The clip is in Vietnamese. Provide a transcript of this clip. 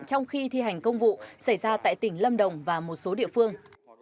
trong khi thi hành công vụ xảy ra tại tỉnh lâm đồng và một số địa phương